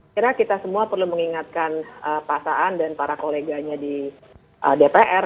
kira kira kita semua perlu mengingatkan pasaan dan para koleganya di dpr